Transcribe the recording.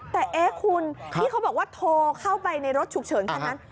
แต่เอ๊ะคุณที่เขาบอกว่าโทรเข้าไปในรถฉุกเฉินคันนั้น